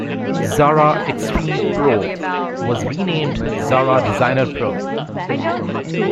"Xara Xtreme Pro" was renamed "Xara Designer Pro".